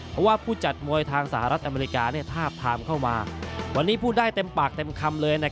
เพราะว่าผู้จัดมวยทางสหรัฐอเมริกาทาบทามเข้ามาวันนี้พูดได้เต็มปากเต็มคำเลย